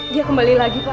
dia kembali lagi pak